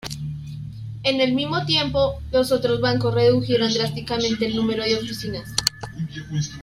En el mimo tiempo, los otros bancos redujeron drásticamente el número de oficinas.